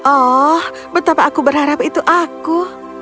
oh betapa aku berharap itu aku